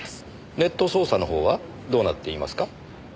ネット捜査の方はどうなっていますか？